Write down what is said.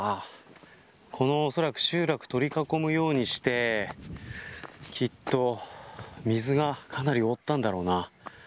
おそらく、この集落を取り囲むようにしてきっと、水がかなり覆ったんだろうな。